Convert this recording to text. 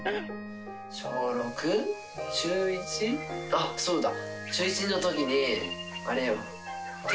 あっそうだ。